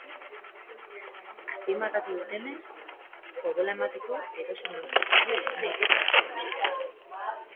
Azpimarratu dutenez, odola emateko edozein urte sasoi izan daiteke aproposa.